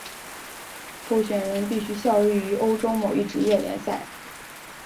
候选人必须效力于欧洲某一职业联赛。